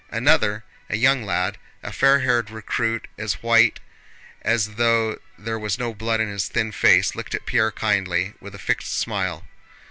Another, a young lad, a fair haired recruit as white as though there was no blood in his thin face, looked at Pierre kindly, with a fixed smile.